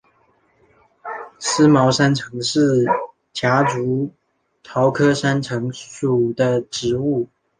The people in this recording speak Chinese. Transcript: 思茅山橙是夹竹桃科山橙属的植物。